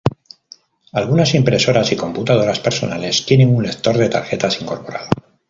Algunas impresoras y computadoras personales tienen un lector de tarjetas incorporado.